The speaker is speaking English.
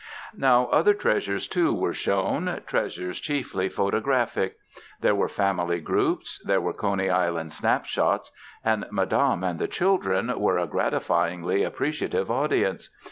Now other treasures, too, were shown treasures chiefly photographic. There were family groups, there were Coney Island snapshots. And Madame and the children were a gratifyingly appreciative audience.